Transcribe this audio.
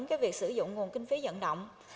về việc sử dụng nguồn kinh phí dẫn động